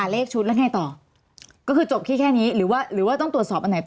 เลขชุดแล้วไงต่อก็คือจบที่แค่นี้หรือว่าหรือว่าต้องตรวจสอบอันไหนต่อ